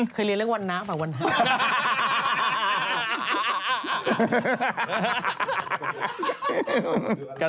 เคยเรียนเรื่องวันน้ำหรอวันน้ำ